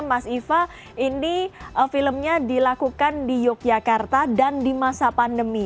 mas iva ini filmnya dilakukan di yogyakarta dan di masa pandemi